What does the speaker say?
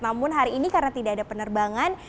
namun hari ini karena tidak ada penerbangan